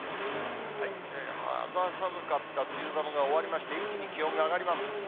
肌寒かった梅雨寒が終わりまして、一気に気温が上がります。